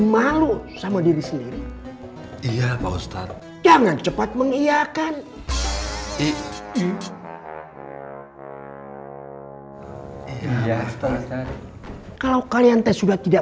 malu sama diri sendiri iya pak ustadz jangan cepat mengiakan kalau kalian tes sudah tidak